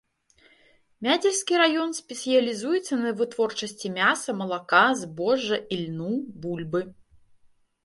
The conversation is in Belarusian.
Мядзельскі раён спецыялізуецца на вытворчасці мяса, малака, збожжа, ільну, бульбы.